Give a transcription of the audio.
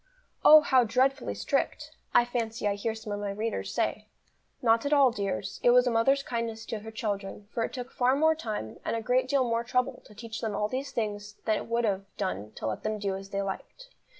"Oh, how dreadfully strict!" I fancy I hear some of my readers say. Not at all, dears, it was a mother's kindness to her children; for it took far more time, and a great deal more trouble to teach them all these things than it would have done to let them do as they liked.